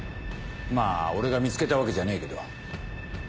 まぁ俺が見つけたわけじゃねえけど。